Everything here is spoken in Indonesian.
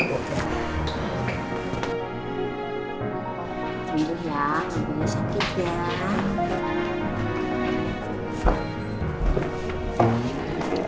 ibu sakit ya